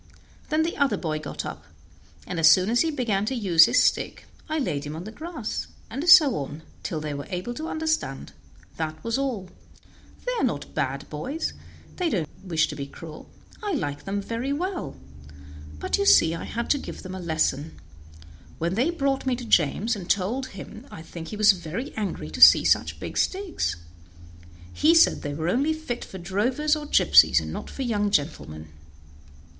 Then the other boy got up, and as soon as he began to use his stick I laid him on the grass, and so on, till they were able to understand that was all. They are not bad boys; they don't wish to be cruel. I like them very well; but you see I had to give them a lesson. When they brought me to James and told him I think he was very angry to see such big sticks. He said they were only fit for drovers or gypsies, and not for young gentlemen."